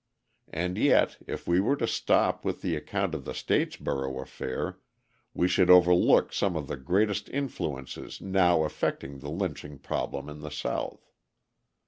And yet, if we were to stop with the account of the Statesboro affair, we should overlook some of the greatest influences now affecting the lynching problem in the South.